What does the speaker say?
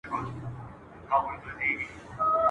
چي به چا ورکړل لوټونه غیرانونه!.